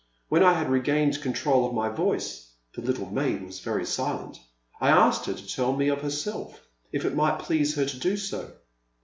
When I had regained control of my voice,— the little maid was very silent,— I asked her to tell me of her self, if it might please her to do so.